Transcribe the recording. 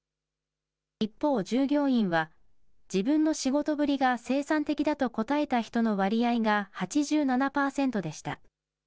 一方、従業員は、自分の仕事ぶりが生産的だと答えた人の割合が８７％でした。